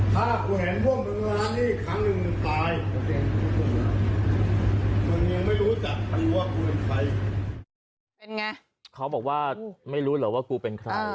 เป็นไงเขาบอกว่าไม่รู้เหรอว่ากูเป็นใคร